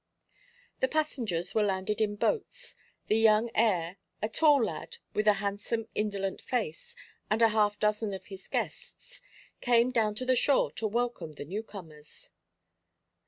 The passengers were landed in boats. The young heir, a tall lad with a handsome indolent face, and a half dozen of his guests, came down to the shore to welcome the newcomers.